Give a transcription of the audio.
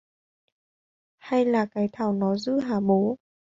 Hay Cái Thảo nó giữ hả bố